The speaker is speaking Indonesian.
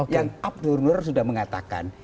yang updurner sudah mengatakan